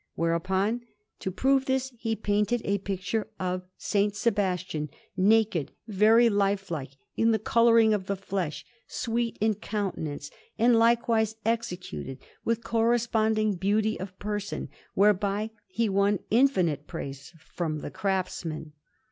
Whereupon, to prove this, he painted a picture of S. Sebastian, naked, very lifelike in the colouring of the flesh, sweet in countenance, and likewise executed with corresponding beauty of person, whereby he won infinite praise from the craftsmen.